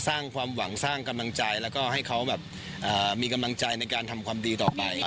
สร้างความหวังสร้างกำลังใจแล้วก็ให้เขาแบบมีกำลังใจในการทำความดีต่อไป